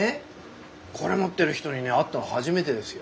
これ持ってる人にね会ったの初めてですよ。